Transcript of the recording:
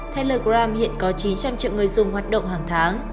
telegram hiện có chín trăm linh triệu người dùng hoạt động hàng tháng